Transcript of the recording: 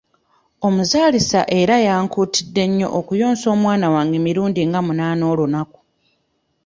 Omuzaalisa era yankuutidde nnyo okuyonsa omwana wange emirundi nga munaana olunaku.